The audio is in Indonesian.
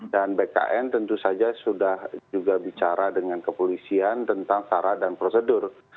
dan bkn tentu saja sudah juga bicara dengan kepolisian tentang cara dan prosedur